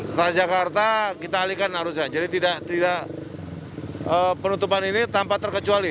setelah jakarta kita alihkan arusnya jadi tidak penutupan ini tanpa terkecuali